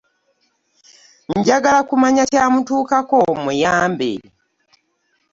Njagala kumanya kyamutuukako mmuyambe.